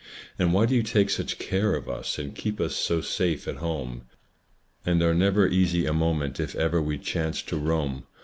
And why do you take such care of us, And keep us so safe at home, And are never easy a moment If ever we chance to roam?